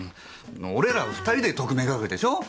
俺ら２人で特命係でしょ？